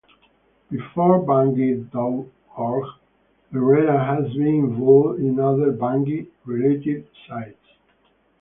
Before bungie dot org, Errera had been involved in other Bungie-related sites.